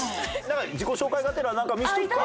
自己紹介がてらなんか見せとくか？